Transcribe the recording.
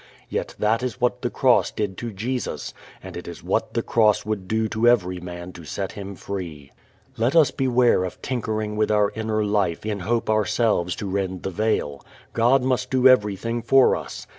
Yet that is what the cross did to Jesus and it is what the cross would do to every man to set him free. Let us beware of tinkering with our inner life in hope ourselves to rend the veil. God must do everything for us.